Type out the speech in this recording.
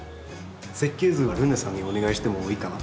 設計図はるねさんにお願いしてもいいかな？